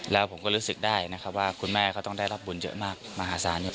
แล้วผมก็รู้สึกได้นะครับว่าคุณแม่เขาต้องได้รับบุญเยอะมากมหาศาลเนี่ย